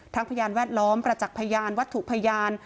พยานแวดล้อมประจักษ์พยานวัตถุพยาน